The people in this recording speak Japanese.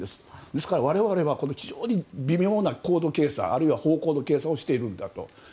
ですから、我々は非常に微妙な高度計算あるいは方向の計算をしていると。